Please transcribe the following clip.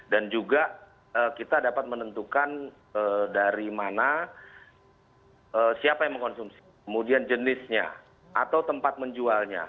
dan juga kita dapat menentukan dari mana siapa yang mengkonsumsi kemudian jenisnya atau tempat menjualnya